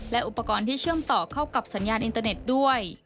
และอุปกรณ์ที่เชื่อมต่อเข้ากับสัญญาณอินเตอร์เน็ตด้วย